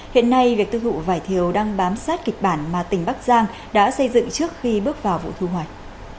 hiện nay việc tiêu thụ vải thiều đang bám sát kịch bản mà tỉnh bắc giang đã xây dựng trước khi bước vào vụ thu hoạch